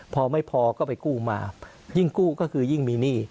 พอไม่พอก็ไปกู้มายิ่งกู้ก็คือยิ่งมีหนี้